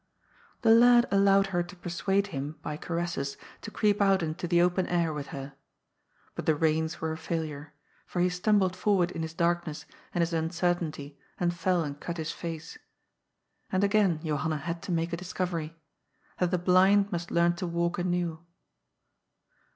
The lad allowed her to persuade him, by caresses, to creep out into the open air with her. But the reins were a failure ; for he stumbled forward in his darkness and his uncertainty, and fell and cut his face. And again Johanna had to make a discovery — that the blind must learn to walk anew.